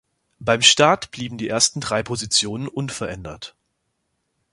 Beim Start blieben die ersten drei Position unverändert.